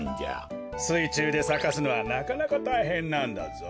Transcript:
すいちゅうでさかすのはなかなかたいへんなんだぞ。